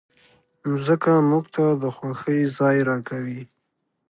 مځکه موږ ته د خوښۍ ځای راکوي.